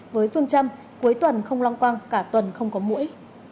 với phương châm cuối tuần không long quang cả tuần không có mũi